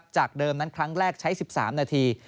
จากเดิมนั้นครั้งแรกใช้๑๓นาที